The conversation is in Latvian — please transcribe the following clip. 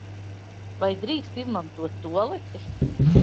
Vai drīkst izmantot tualeti?